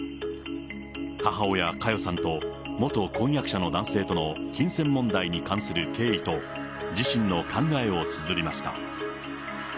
母親、佳代さんと、元婚約者の男性との金銭問題に関する経緯と、自身の考えをつづりました。